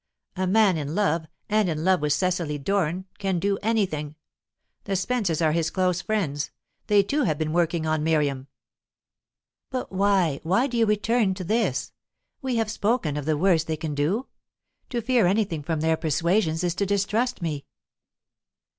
"A man in love and in love with Cecily Doran can do anything. The Spences are his close friends; they too have been working on Miriam." "But why, why do you return to this? We have spoken of the worst they can do. To fear anything from their' persuasions is to distrust me."